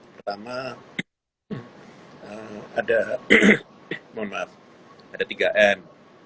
pertama ada tiga m